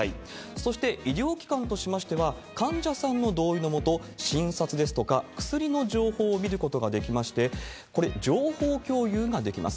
そして、医療機関としましては、患者さんの同意の下、診察ですとか、薬の情報を見ることができまして、これ、情報共有ができます。